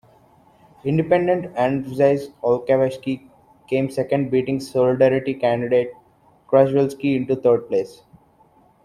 Independent Andrzej Olechowski came second beating Solidarity candidate Krzaklewski into third place.